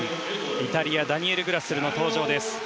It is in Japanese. イタリアダニエル・グラスルの登場です。